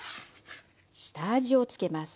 下味をつけます。